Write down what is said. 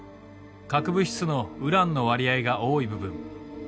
核物質のウランの割合が多い部分。